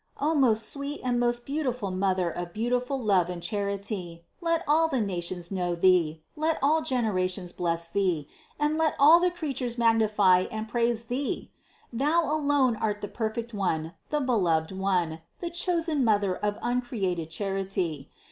528. O most sweet and most beautiful Mother of beau tiful love and charity ! Let all the nations know Thee, let all generations bless Thee, and let all the creatures mag nify and praise Thee! Thou alone art the perfect One, the beloved One, the chosen Mother of uncreated Char ity.